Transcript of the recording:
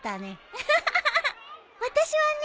アハハ私はね